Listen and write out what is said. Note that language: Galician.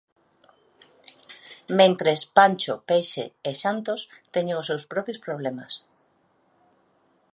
Mentres, Pancho, Peixe e Santos teñen os seus propios problemas.